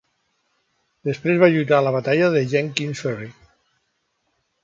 Després va lluitar a la batalla de Jenkins Ferry.